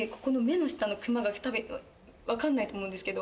分かんないと思うんですけど。